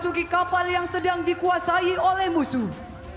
memasuki kapal yang sedang dikuasai oleh musuh